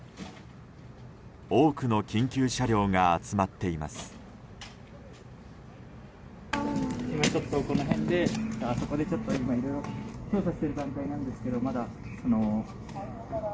多くの緊急車両が集まっています。